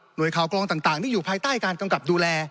โดยข่าวกรองต่างที่อยู่ภายใต้การกำกับดูแล